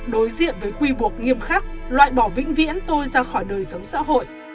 đối diện với quy buộc nghiêm khắc loại bỏ vĩnh viễn tôi ra khỏi đời sống xã hội